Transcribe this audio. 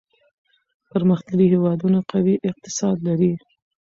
پرمختللي هېوادونه قوي اقتصاد لري.